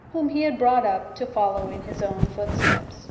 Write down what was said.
whom he had brought up to follow in his own footsteps.